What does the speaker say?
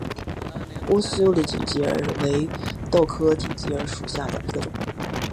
乌苏里锦鸡儿为豆科锦鸡儿属下的一个种。